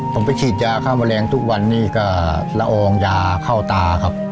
ผมไปฉีดยาฆ่าแมลงทุกวันนี้ก็ละอองยาเข้าตาครับ